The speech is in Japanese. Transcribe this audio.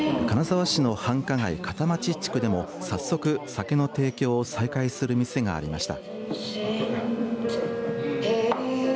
金沢市の繁華街、片町地区でも早速、酒の提供を再開する店がありました。